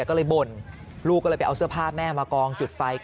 ก็เลยบ่นลูกก็เลยไปเอาเสื้อผ้าแม่มากองจุดไฟ